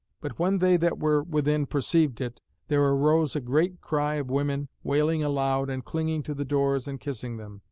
But when they that were within perceived it, there arose a great cry of women wailing aloud and clinging to the doors and kissing them.